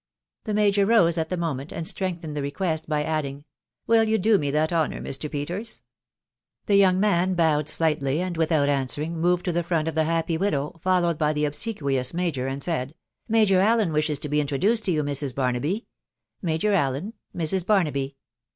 The major rose at the moment, and strengthened the request by adding, Will you do me mat honour, Mr. Pe i •» The young man bowed slightly, and, without _ moTed to the front of the happy widow, followed by the ob sequious major, and said, " Major Allen wishes to be intro dueed to you, Mrs. Barnaby Major Allen, Mrs. Banamby."